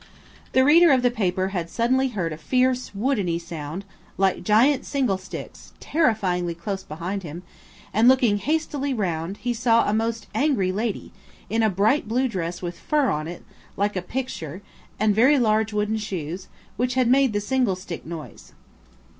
The reader of the paper had suddenly heard a fierce woodeny sound, like giant singlesticks, terrifyingly close behind him, and looking hastily round, he saw a most angry lady, in a bright blue dress with fur on it, like a picture, and very large wooden shoes, which had made the singlestick noise.